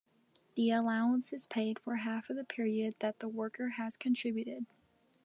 The allowance is paid for half of the period that the worker has contributed.